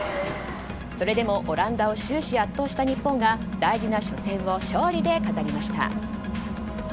それでも、オランダを終始圧倒した日本が大事な初戦を勝利で飾りました。